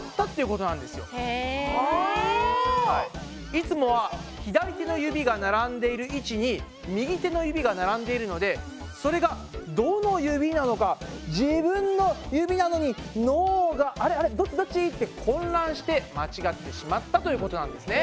いつもは左手の指が並んでいる位置に右手の指が並んでいるのでそれがどの指なのか自分の指なのに脳が「あれあれ？どっちどっち？」って混乱して間違ってしまったということなんですね。